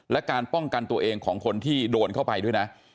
และการป้องกันตัวเองของคนที่โดนเข้าไปด้วยนะ